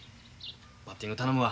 バッティング頼むわ。